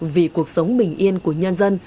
vì cuộc sống bình yên của nhân dân